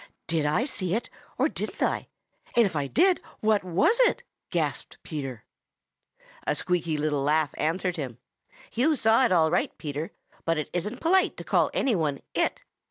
"Did I see it, or didn't I? And if I did, what was it?" gasped Peter. A squeaky little laugh answered him. "You saw it all right, Peter, but it isn't polite to call any one it.